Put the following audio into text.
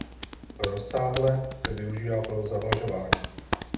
Rozsáhle se využívá pro zavlažování.